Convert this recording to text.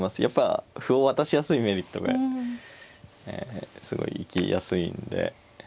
やっぱ歩を渡しやすいメリットがすごい生きやすいんで。